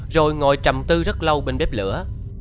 rồi ngồi trầm tư rất lâu bên bếp lửa